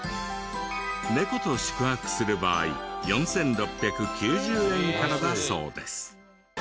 ネコと宿泊する場合４６９０円からだそうです。